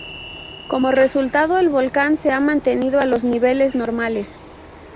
Como resultado, el volcán se ha mantenido a los niveles normales.